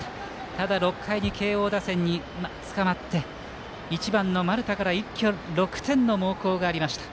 ただ６回に慶応打線につかまって１番の丸田から一挙６点の猛攻がありました。